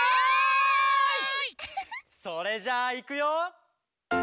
「それじゃあいくよ」